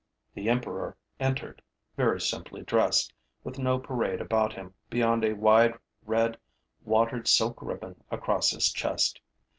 The emperor entered, very simply dressed, with no parade about him beyond a wide, red, watered silk ribbon across his chest.